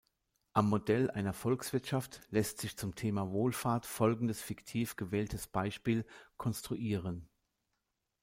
Am Modell einer Volkswirtschaft lässt sich zum Thema Wohlfahrt folgendes fiktiv gewähltes Beispiel konstruieren.